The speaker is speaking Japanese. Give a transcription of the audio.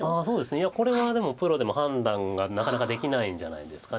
いやこれはでもプロでも判断がなかなかできないんじゃないですか。